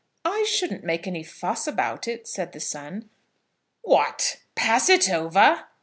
"I shouldn't make any fuss about it," said the son. "What! pass it over?"